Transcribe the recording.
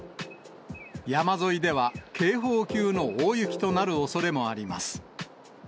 山沿いでは、警報級の大雪となるおそれもあります。